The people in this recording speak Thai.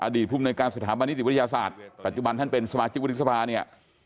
อดีตภูมิในการสุธามนิติวิทยาศาสตร์ปัจจุบันท่านเป็นสมาชิกวิทยาศาสตร์เนี่ย